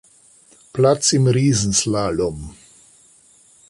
Platz im Riesenslalom.